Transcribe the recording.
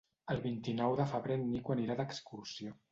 El vint-i-nou de febrer en Nico anirà d'excursió.